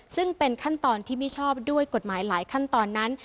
ซึ่งเป็นขั้นตอนที่ไม่ชอบด้วยกฎหมายหลายขั้นตอนนั้น